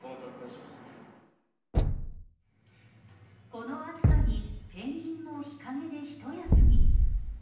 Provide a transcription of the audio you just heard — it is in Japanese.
この暑さに、ペンギンも日陰で一休み。